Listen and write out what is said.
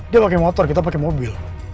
dia pakai motor kita pakai mobil